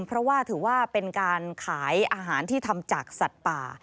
เพราะว่าถือว่าเป็นการขายอาหารที่ทำจากสัตว์ป่า